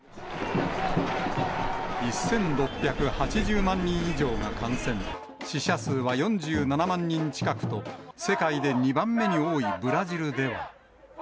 １６８０万人以上が感染、死者数は４７万人近くと、世界で２番目に多いブラジルでは。